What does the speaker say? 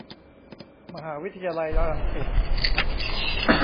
มหาวิทยาลัยรังสิต